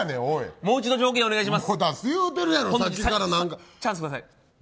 もう一度条件をお願いします！